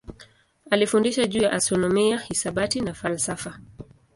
Alifundisha juu ya astronomia, hisabati na falsafa.